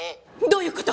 どういう事？